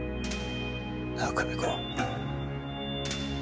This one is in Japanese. なあ久美子。